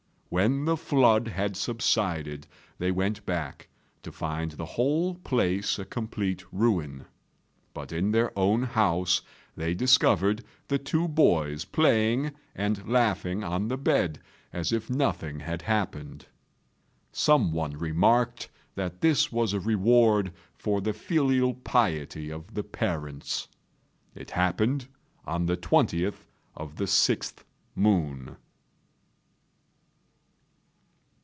When the flood had subsided, they went back, to find the whole place a complete ruin; but in their own house they discovered the two boys playing and laughing on the bed as if nothing had happened. Some one remarked that this was a reward for the filial piety of the parents. It happened on the 20th of the 6th moon.